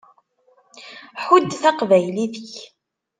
Ḥudd taqbaylit-ik.